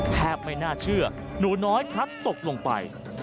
ไม่น่าเชื่อหนูน้อยพลัดตกลงไป